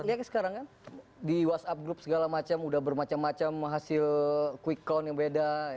lihat sekarang kan di whatsapp group segala macam udah bermacam macam hasil quick count yang beda